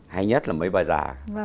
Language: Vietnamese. hay nhất là mấy bà già